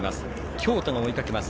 京都が追いかけます。